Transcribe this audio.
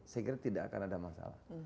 saya kira tidak akan ada masalah